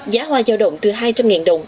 giá hoa giao động từ hai trăm linh đồng